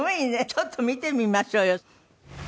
ちょっと見てみましょうよ。